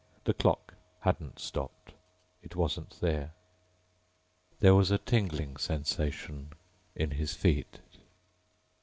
The clock hadn't stopped. It wasn't there. There was a tingling sensation in his feet.